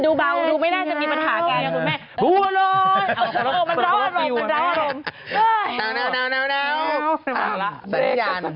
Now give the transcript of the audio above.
ดูเบาดูไม่ได้จะมีปัญหาการอย่างคุณแม่